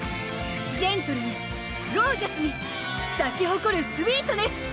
ジェントルにゴージャスに咲き誇るスウィートネス！